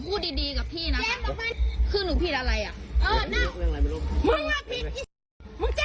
พูดดีกับพี่นะครับคือหนูผิดอะไรอ่ะเออนั่งเรื่องอะไร